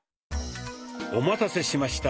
お待たせしました。